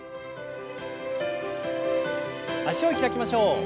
脚を開きましょう。